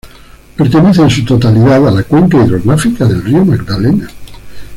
Pertenece en su totalidad a la cuenca hidrográfica del río Magdalena.